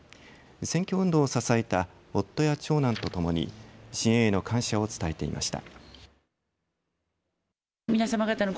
選挙運動を支えた夫や長男と共に支援への感謝を伝えていました。